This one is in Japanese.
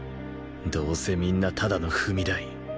どうせみんなただの踏み台